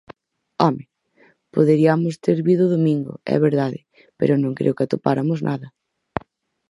¡Home!, poderiamos ter vido o domingo, é verdade, pero non creo que atopáramos nada.